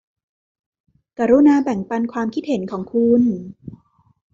กรุณาแบ่งปันความคิดเห็นของคุณ